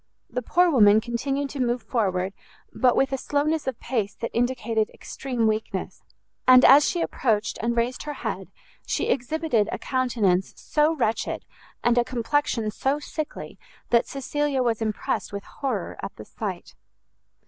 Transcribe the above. The poor woman continued to move forward, but with a slowness of pace that indicated extreme weakness; and, as she approached and raised her head, she exhibited a countenance so wretched, and a complexion so sickly, that Cecilia was impressed with horror at the sight.